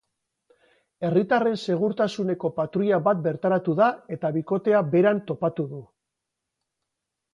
Herritarren segurtasuneko patruila bat bertaratu da eta bikotea beran topatu du.